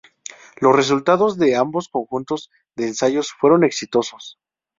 Los resultados de ambos conjuntos de ensayos fueron exitosos.